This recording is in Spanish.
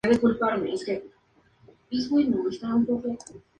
Las pequeñas colinas rodean esta llanura.